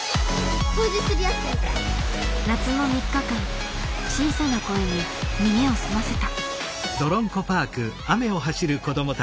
夏の３日間小さな声に耳を澄ませた。